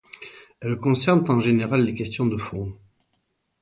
Elles concernent en général les questions de fonds.